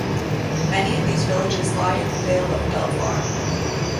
Many of these villages lie in the Vale of Belvoir.